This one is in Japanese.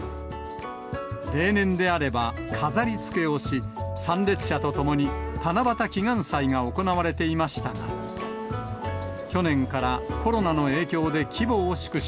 例年であれば飾りつけをし、参列者と共に七夕祈願祭が行われていましたが、去年からコロナの影響で規模を縮小。